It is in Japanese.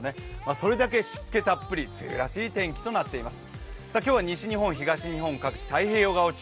それだけ湿気たっぷり、梅雨らしい天気となっています。